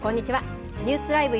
ニュースＬＩＶＥ！